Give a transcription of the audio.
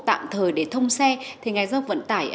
tạm thời để thông xe thì ngày giao vận tải